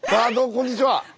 こんにちは。